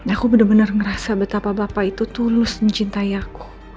aku bener bener ngerasa betapa papa itu tulus dan cintai aku